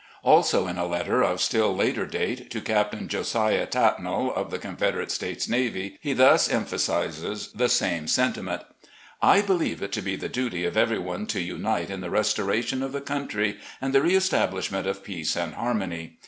Also in a letter of still later date, to Captain Josiah Tatnall, of the Confederate States Navy, he thus em phasises the same sentiment: .. I believe it to be the duty of every one to unite in the restoration of the country and the re establishment of peace and harmony.